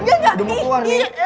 udah mau keluar nih